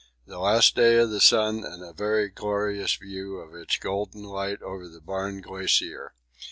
The last day of the sun and a very glorious view of its golden light over the Barne Glacier.